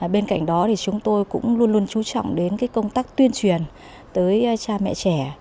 bên cạnh đó thì chúng tôi cũng luôn luôn chú trọng đến công tác tuyên truyền tới cha mẹ trẻ